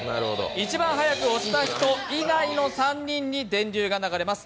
一番早く押した人以外の３人に電流が流れます。